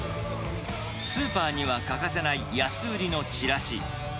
スーパーには欠かせない安売りのチラシ。